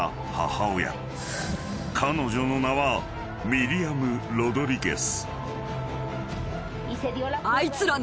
［彼女の名はミリアム・ロドリゲス］